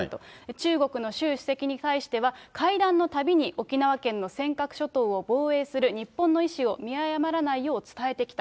中国の習主席に対しては、会談のたびに、沖縄県の尖閣諸島を防衛する日本の意志を見誤らないよう伝えてきた。